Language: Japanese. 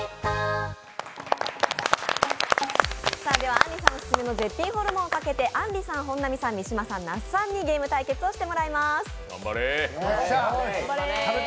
あんりさんお勧めの絶品ホルモンをかけてあんりさん、本並さん、三島さん、那須さんにゲーム対決をしていただきます。